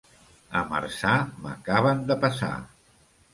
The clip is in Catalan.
A Marçà m'acaben de passar.